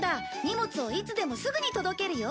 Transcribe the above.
荷物をいつでもすぐに届けるよ